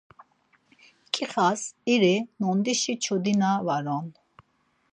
Ncixas, iri nondişi çodina var on.